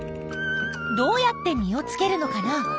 どうやって実をつけるのかな？